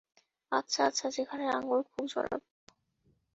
আচ্ছা আচ্ছা, যেখানের আঙ্গুর খুব জনপ্রিয়?